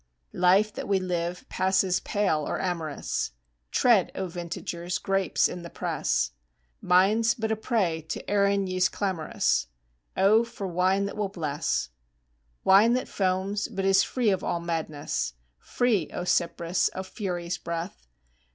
Life that we live passes pale or amorous. (Tread, O vintagers, grapes in the press!) Mine's but a prey to Erinñyes clamorous. (O for wine that will bless!) Wine that foams, but is free of all madness (Free, O Cypris, of fury's breath!)